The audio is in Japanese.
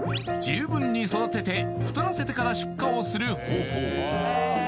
十分に育てて太らせてから出荷をする方法